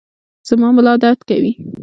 زما ملا درد کوي